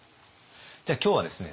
じゃあ今日はですね